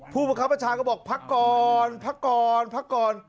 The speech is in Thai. ผู้บังคับประชาก็บอกพักก่อนพักก่อนพักก่อน